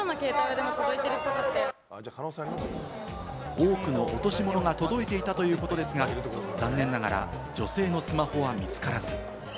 多くの落とし物が届いていたということですが、残念ながら女性のスマホは見つからず。